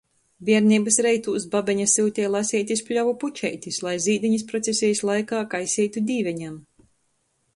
Bierneibys reitūs babeņa syuteja laseit iz pļovu pučeitis, lai zīdeņus procesejis laikā kaiseitu Dīveņam.